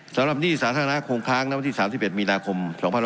สำหรับหนี้สาธารณะคงค้างนับที่๓๑มีนาคม๒๐๖๔